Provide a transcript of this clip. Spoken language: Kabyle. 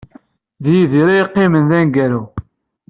D Yidir ay yeqqimen d aneggaru.